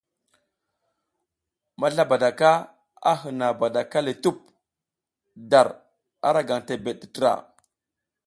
Mazlabadaka a hǝna badaka le tup dar ara gaŋ tebeɗ tǝtra.